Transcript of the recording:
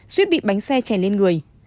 suýt bị bánh xe chèn lên người